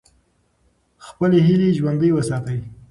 خپلې هیلې ژوندۍ وساتئ.